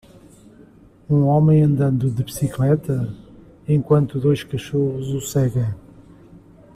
Um homem andando de bicicleta? enquanto dois cachorros o seguem.